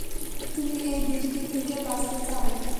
তুমি এই দৃষ্টি থেকে বাঁচতে চাও।